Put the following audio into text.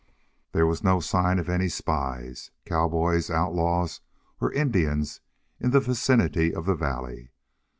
There was no sign of any spies, cowboys, outlaws, or Indians in the vicinity of the valley.